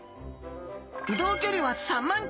移動距離は３万ｋｍ！